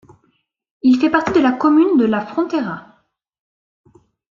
Il fait partie de la commune de La Frontera.